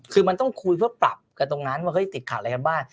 คือมันต้องคุยเพื่อปรับกันตรงนั้นว่าเฮ้ยติดขัดอะไรกันบ้าง